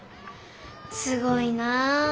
すごいな。